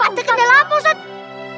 ada kendala apa ustadz